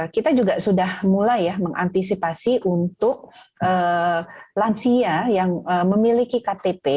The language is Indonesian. kita juga sudah mulai ya mengantisipasi untuk lansia yang memiliki ktp